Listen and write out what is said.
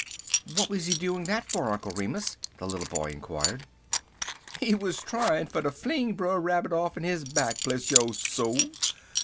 "What was he doing that for, Uncle Remus?" the little boy inquired. "He wuz tryin' fer ter fling Brer Rabbit off'n his back, bless yo' soul!